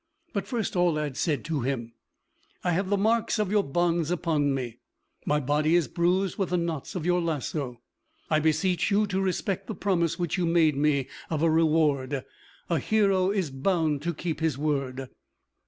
But first Aulad said to him, "I have the marks of your bonds upon me; my body is bruised with the knots of your lasso; I beseech you to respect the promise which you made me of a reward. A hero is bound to keep his word."